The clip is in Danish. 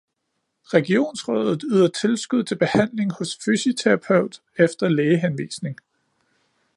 Regionsrådet yder tilskud til behandling hos fysioterapeut efter lægehenvisning